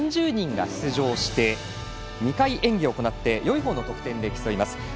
３０人が出場して２回演技を行ってよいほうの得点で競います。